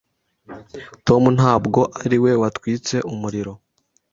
Tom ntabwo ari we watwitse umuriro.